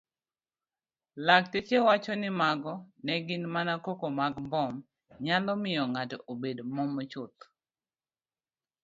Lakteche wacho nimago negin mana koko magmbom nyalo miyo ng'ato obed momochuth.